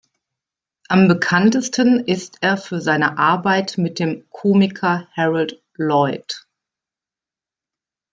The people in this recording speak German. Am bekanntesten ist er für seine Arbeit mit dem Komiker Harold Lloyd.